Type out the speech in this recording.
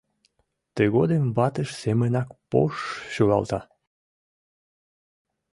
Тыгодым ватыж семынак пош-ш шӱлалта.